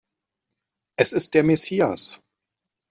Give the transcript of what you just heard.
Es ist der Messias!